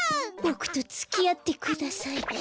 ボクとつきあってください。